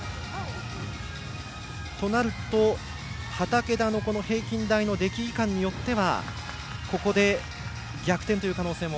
となると、畠田の平均台の出来いかんによってはここで逆転という可能性も。